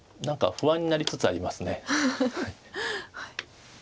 何か不安になりつつあります。